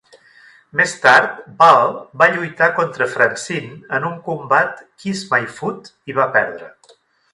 Més tard Val va lluitar contra Francine en un combat "Kiss My Foot" i va perdre.